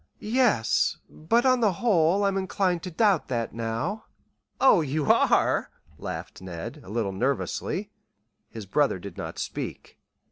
"Yes; but on the whole I'm inclined to doubt that now." "Oh, you are," laughed Ned, a little nervously. His brother did not speak.